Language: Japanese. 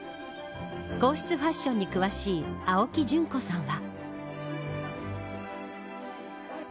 皇室ファッションに詳しい青木淳子さんは。